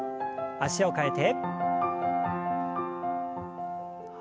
脚を替えて。